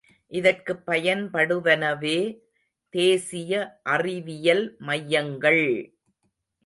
இதற்குப் பயன்படுவனவே தேசிய அறிவியல் மையங்கள்!